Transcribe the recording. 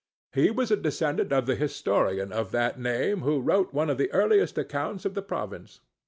He was a descendant of the historian of that name, who wrote one of the earliest accounts of the province.